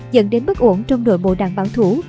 dẫn đến bất ổn trong nội bộ đảng bảo thủ